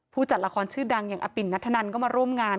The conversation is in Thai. จัดละครชื่อดังอย่างอปิ่นนัทธนันก็มาร่วมงาน